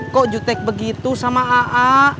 kok jutek begitu sama aa